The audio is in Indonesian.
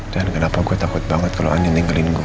dan kenapa gue takut banget kalau andin tinggalin gue ya